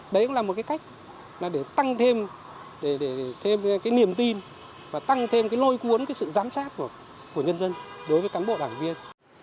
đấy cũng là một cái cách để tăng thêm niềm tin và tăng thêm lôi cuốn sự giám sát của nhân dân đối với cán bộ đảng viên